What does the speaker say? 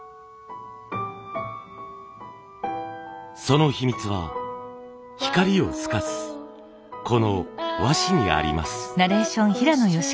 その秘密は光を透かすこの和紙にあります。